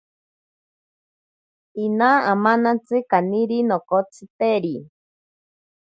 Ina amanantsi kaniri nokotsiteri.